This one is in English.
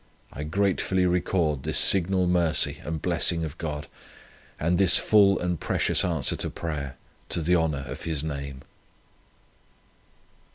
I gratefully record this signal mercy and blessing of God, and this full and precious answer to prayer, to the honour of His name."